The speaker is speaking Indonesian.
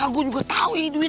gue juga tau ini duit